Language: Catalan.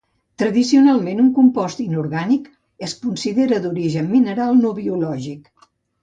Tradicionalment un compost inorgànic es considera d'origen mineral no biològic.